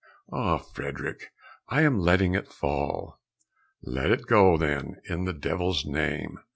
"Ah, Frederick, I am letting it fall!" "Let it go, then, in the devil's name."